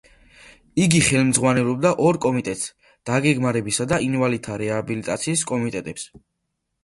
იგი ხელმძღვანელობდა ორ კომიტეტს დაგეგმარებისა და ინვალიდთა რეაბილიტაციის კომიტეტებს.